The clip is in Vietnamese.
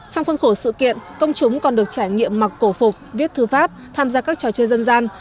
trong khuôn khổ sự kiện công chúng còn được trải nghiệm mặc cổ phục viết thư pháp tham gia các trò chơi dân gian